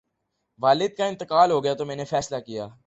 والد کا انتقال ہو گیا تو میں نے فیصلہ کیا